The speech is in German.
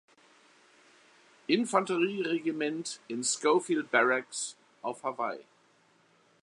Infanterieregiment in Schofield Barracks auf Hawaii.